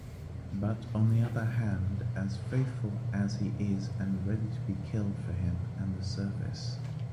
But on the other hand as faithful as he is and ready to be killed for him and the service.